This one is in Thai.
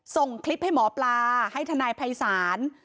ส่งคลิปให้หมอปลาให้ทนายภัยศาล